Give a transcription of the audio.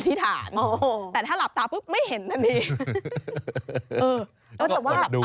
อธิษฐานแต่ถ้าหลับตาไม่เห็นนั่นดี